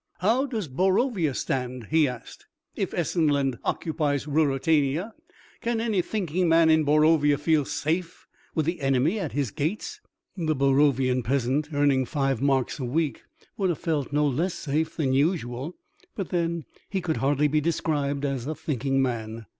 "How does Borovia stand?" he asked. "If Essenland occupies Ruritania, can any thinking man in Borovia feel safe with the enemy at his gates?" (The Borovian peasant, earning five marks a week, would have felt no less safe than usual, but then he could hardly be described as a thinking man.)